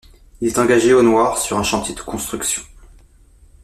Il est engagé au noir sur un chantier de construction.